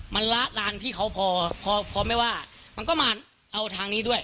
มันละลานพี่เขาพอพอไม่ว่ามันก็มาเอาทางนี้ด้วย